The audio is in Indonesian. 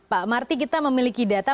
pak marty kita memiliki data